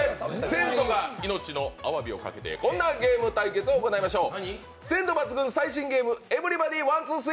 鮮度が命のあわびをかけて、こんなゲーム対決をいたしましょう。